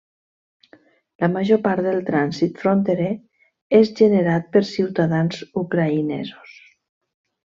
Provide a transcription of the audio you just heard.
La major part del trànsit fronterer és generat per ciutadans ucraïnesos.